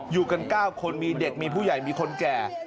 อยู่กัน๙คนมีเด็กมีผู้ใหญ่มีคนแก่